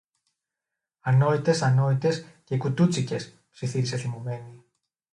Ανόητες, ανόητες και κουτούτσικες! ψιθύρισε θυμωμένη